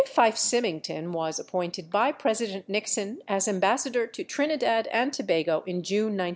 Fife Symington was appointed by President Nixon as Ambas sador to Trinidad and Tobago in June 1969.